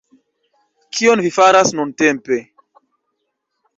Kion vi faras nuntempe?